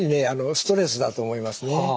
ストレスだと思いますね。